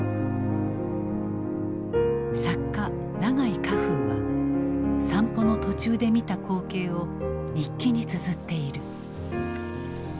作家永井荷風は散歩の途中で見た光景を日記につづっている。